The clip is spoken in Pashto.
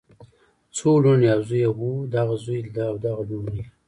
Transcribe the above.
څو لوڼې او زوي یې وو دغه زوي او دغه لوڼو یی